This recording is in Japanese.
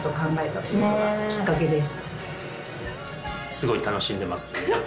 すごい楽しんでます。